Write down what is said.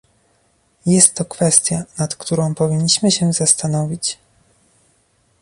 Jest to kwestia, nad którą powinniśmy się zastanowić